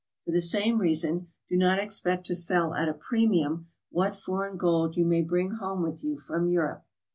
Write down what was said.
For the same reason, do not ex pect to sell at a premium what foreign gold you may bring home with you from Europe.